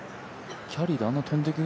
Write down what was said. キャリーであんなに飛んでいく？